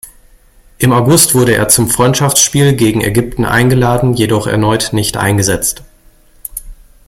Im August wurde er zum Freundschaftsspiel gegen Ägypten eingeladen, jedoch erneut nicht eingesetzt.